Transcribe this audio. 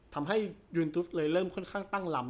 ทำให้ยูนตุสเลยเริ่มค่อนข้างตั้งลำ